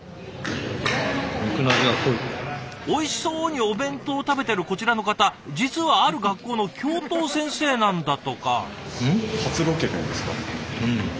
おいしそうにお弁当を食べてるこちらの方実はある学校の教頭先生なんだとか。